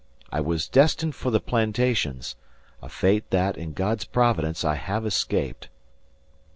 I was destined for the plantations; a fate that, in God's providence, I have escaped."